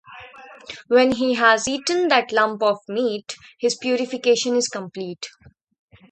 When he has eaten that lump of meat his purification is complete.